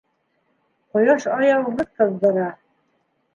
Ҡояш аяуһыҙ ҡыҙҙыра.